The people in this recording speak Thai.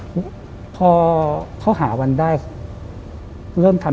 พอเขาหาวันหาวันได้เริ่มทำ